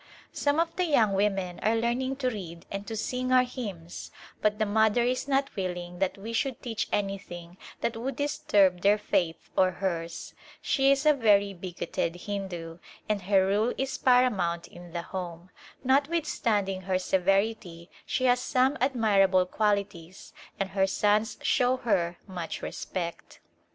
Some of the young women are learning to read and to sing our hymns, but the mother is not willing that we should teach anything that would disturb their faith or hers. She is a very bigoted Hindu, and her rule is paramount in the home ; notwithstanding her severity she has some admirable qualities and her sons show her much respect.